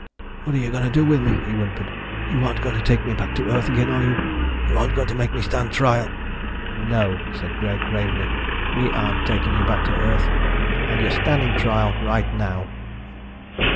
"What are you going to do with me?" he whimpered. "You aren't going to take me back to Earth again, are you? You aren't going to make me stand trial?" "No," said Greg, gravely, "we aren't taking you back to Earth. And you're standing trial right now."